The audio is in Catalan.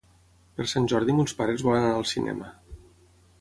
Per Sant Jordi mons pares volen anar al cinema.